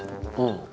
うん。